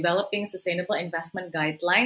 membangun guidelines pembelian kedamaian